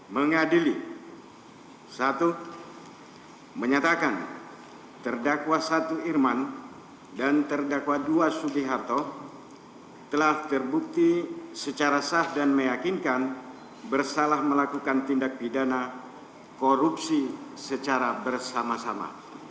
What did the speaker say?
mengadili satu menyatakan terdakwa satu irman dan terdakwa dua sugiharto telah terbukti secara sah dan meyakinkan bersalah melakukan tindak pidana korupsi secara bersama sama